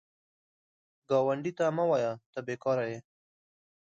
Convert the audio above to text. ګاونډي ته مه وایه “ته بېکاره یې”